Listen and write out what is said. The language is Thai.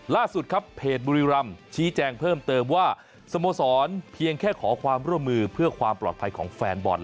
ล่าสุดครับเพจบุรีรำชี้แจงเพิ่มเติมว่าสโมสรเพียงแค่ขอความร่วมมือเพื่อความปลอดภัยของแฟนบอล